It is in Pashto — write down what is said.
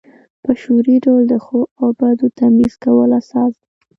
په شعوري ډول د ښو او بدو تمیز کول اساس دی.